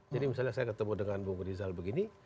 jadi misalnya saya ketemu dengan bu rizal begini